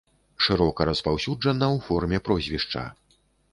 Шырока распаўсюджана ў форме прозвішча.